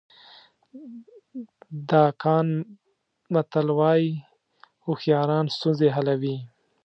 د اکان متل وایي هوښیاران ستونزې حلوي.